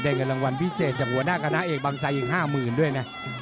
ได้กันรางวัลพิเศษจากหัวหน้าคณะเอกบังไซด์อีก๕หมื่นด้วยนะ